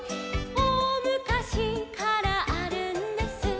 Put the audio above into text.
「おおむかしからあるんです」